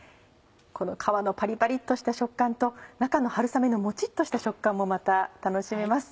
この皮のパリパリっとした食感と中の春雨のモチっとした食感もまた楽しめます。